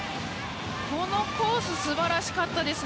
このコースが素晴らしかったです。